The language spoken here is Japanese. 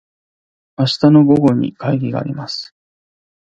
明日の午後に会議があります。